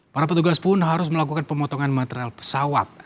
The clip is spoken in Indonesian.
para petugas pun harus melakukan pemotongan material pesawat